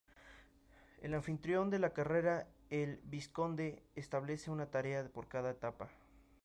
El anfitrión de la carrera, el vizconde, establece una tarea para cada etapa.